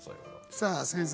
さあ先生